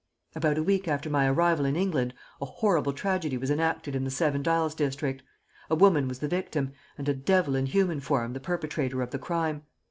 "About a week after my arrival in England a horrible tragedy was enacted in the Seven Dials district. A woman was the victim, and a devil in human form the perpetrator of the crime.